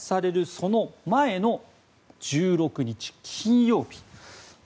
その前の１６日、金曜日。